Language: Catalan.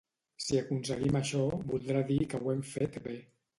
Si aconseguim això, voldrà dir que ho hem fet bé.